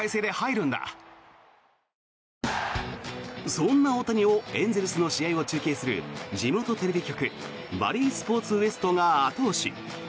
そんな大谷をエンゼルスの試合を中継する地元テレビ局、バリースポーツ・ウエストが後押し。